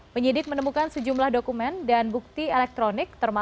penyidik menemukan sejumlah dokumen dan bukti elektronik